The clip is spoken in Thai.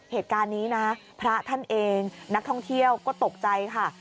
เหตุการณ์นี้นะพระท่านเองนักท่องเที่ยวก็ตกใจค่ะ